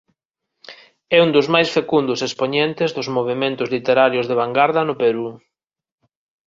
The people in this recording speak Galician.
É un dos máis fecundos expoñentes dos movementos literarios de vangarda no Perú.